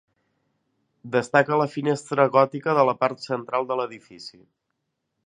Destaca la finestra gòtica de la part central de l'edifici.